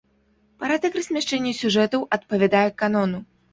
Парадак размяшчэння сюжэтаў адпавядае канону.